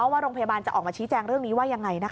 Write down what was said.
ว่าโรงพยาบาลจะออกมาชี้แจงเรื่องนี้ว่ายังไง